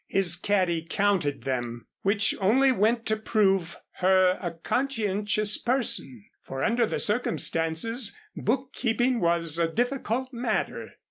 His caddy counted them; which only went to prove her a conscientious person, for under the circumstances book keeping was a difficult matter.